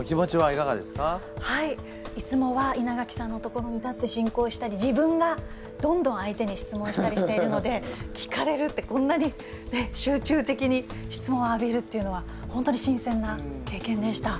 いつもは稲垣さんの所に立って進行したり自分がどんどん相手に質問したりしているので聞かれるってこんなに集中的に質問を浴びるっていうのは本当に新鮮な経験でした。